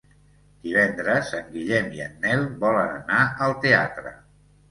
Divendres en Guillem i en Nel volen anar al teatre.